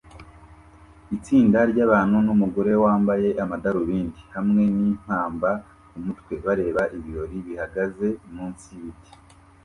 Itsinda ryabantu numugore wambaye amadarubindi hamwe nimpamba kumutwe bareba ibirori bihagaze munsi yibiti